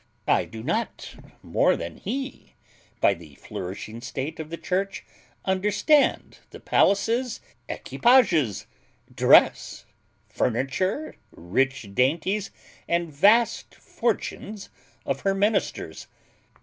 I do not, more than he, by the flourishing estate of the Church, understand the palaces, equipages, dress, furniture, rich dainties, and vast fortunes, of her ministers.